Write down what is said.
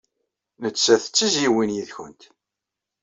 Netta d tizzyiwin yid-went.